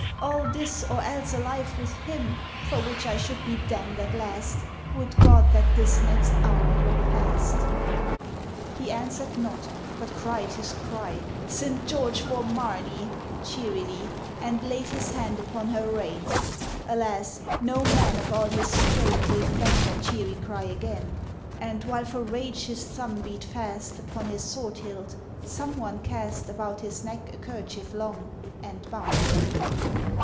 All this, or else a life with him, For which I should be damned at last, Would God that this next hour were past! He answer'd not, but cried his cry, St. George for Marny! cheerily; And laid his hand upon her rein. Alas! no man of all his train Gave back that cheery cry again; And, while for rage his thumb beat fast Upon his sword hilt, some one cast About his neck a kerchief long, And bound him.